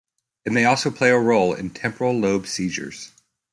It may also play a role in temporal lobe seizures.